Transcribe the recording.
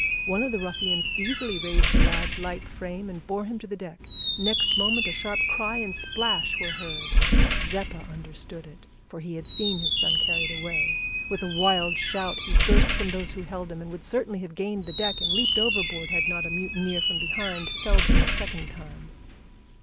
One of the ruffians easily raised the lad's light frame and bore him to the deck. Next moment a sharp cry and splash were heard. Zeppa understood it, for he had seen his son carried away. With a wild shout he burst from those who held him, and would certainly have gained the deck and leaped overboard had not a mutineer from behind felled him a second time.